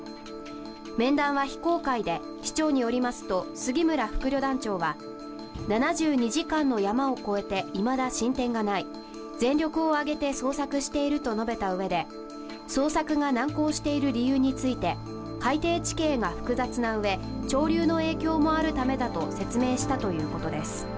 面談は非公開で、市長によりますと杉村副旅団長は７２時間のヤマをこえていまだ進展がない全力を挙げて捜索していると述べたうえで捜索が難航している理由について海底地形が複雑なうえ潮流の影響もあるためだと説明したといいます。